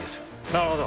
なるほど。